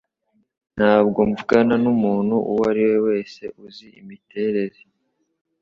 Ntabwo mvugana numuntu uwo ari we wese uzi imiterere.